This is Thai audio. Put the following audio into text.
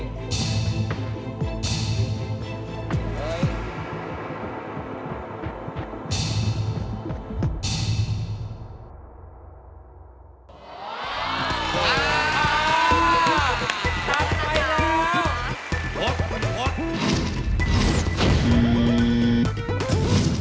โพทโพท